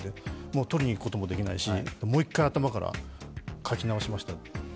もう取りに行くこともできないし、もう一回頭から書き直しました。